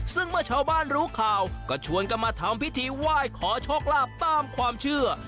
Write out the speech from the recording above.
ซึ่งเมื่อชาวบ้านรู้ข่าวก็ชวนกันมาทำพิธีไหว้ขอโชคลาภตามความเชื่อ